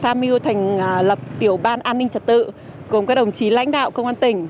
tham miu thành lập tiểu ban an ninh trật tự cùng các đồng chí lãnh đạo công an tỉnh